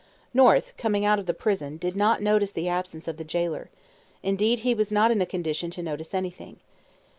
North, coming out of the prison, did not notice the absence of the gaoler; indeed, he was not in a condition to notice anything.